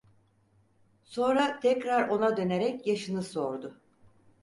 Sonra tekrar ona dönerek yaşını sordu.